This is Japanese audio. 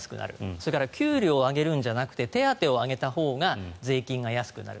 それから給料を上げるんじゃなくて手当を上げるほうが税金が安くなる。